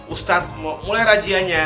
ustadz mau mulai rajiannya